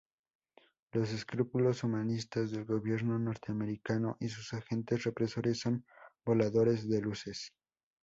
Los escrúpulos humanistas del gobierno norteamericano y sus agentes represores son voladores de luces.